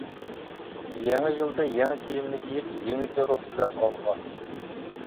يېڭى يىلدا يېڭى كىيىمنى كىيىپ، يېڭىچە روھ بىلەن ئالغا!